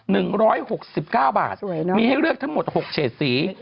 หนึ่งร้อยหกสิบเก้าบาทสวยนะมีให้เลือกทั้งหมดหกเฉดสี